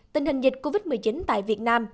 tình hình dịch covid một mươi chín tại việt nam